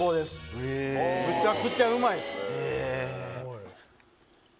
むちゃくちゃうまいっす。